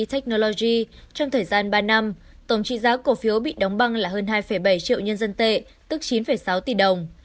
technology trong thời gian ba năm tổng trị giá cổ phiếu bị đóng băng là hơn hai bảy triệu nhân dân tệ tức chín sáu tỷ đồng